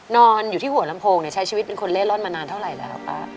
นอนอยู่ที่หัวลำโพงใช้ชีวิตเป็นคนเล่ร่อนมานานเท่าไหร่แล้วป้า